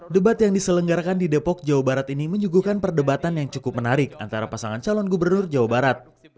debat yang diselenggarakan di depok jawa barat ini menyuguhkan perdebatan yang cukup menarik antara pasangan calon gubernur jawa barat